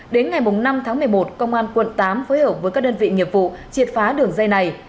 đến ngày năm tháng một mươi một công an quận tám phối hợp với các đơn vị nghiệp vụ triệt phá đường dây này